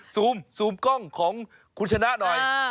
ซูมกล้องของคุณชนะหน่อย